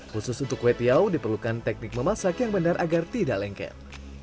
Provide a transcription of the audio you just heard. khusus untuk kue tiaw diperlukan teknik memasak yang benar agar tidak lengket